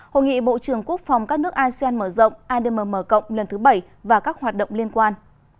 hội nghị bộ trưởng quốc phòng các nước asean mở rộng admm cộng lần thứ bảy và các hoạt động liên quan